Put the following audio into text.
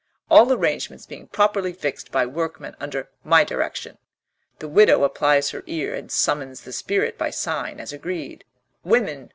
All arrangements being properly fixed by workmen under my direction, the widow applies her ear and summons the spirit by sign as agreed. Women!